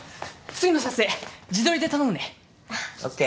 次の撮影自撮りで頼むねＯＫ